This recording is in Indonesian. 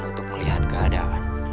untuk melihat keadaan